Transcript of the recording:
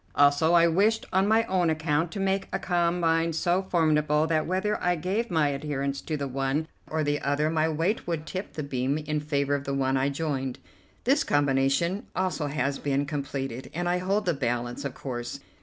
Also, I wished on my own account to make a combine so formidable that whether I gave my adherence to the one or the other my weight would tip the beam in favour of the one I joined. This combination also has been completed, and I hold the balance, of course.